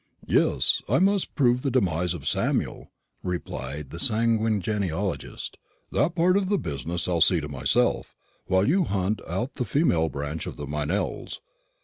"Yes, I must prove the demise of Samuel," replied the sanguine genealogist; "that part of the business I'll see to myself, while you hunt out the female branch of the Meynells.